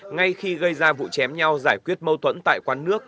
ngay khi gây ra vụ chém nhau giải quyết mâu thuẫn tại quán nước